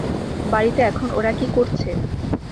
বাড়িতে এখন ওরা কী করছে?